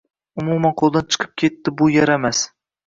Umuman qoʻldan chiqib ketdi bu yaramas.